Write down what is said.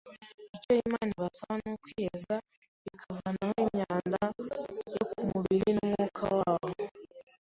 Icyo Imana ibasaba ni ukwiyeza bakivanaho imyanda yo ku mubiri n’umwuka wabo